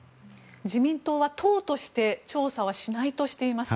自民党は党として調査はしないとしています。